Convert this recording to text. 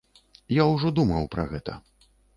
Я ўжо думаў пра гэта.